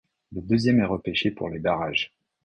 Le deuxième est repêché pour les barrages.